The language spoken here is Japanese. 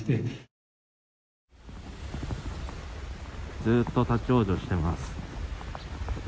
ずっと立ち往生しています。